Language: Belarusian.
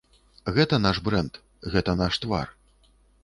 Гэта наш брэнд, гэта наш твар.